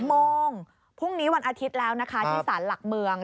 โมงพรุ่งนี้วันอาทิตย์แล้วนะคะที่สารหลักเมือง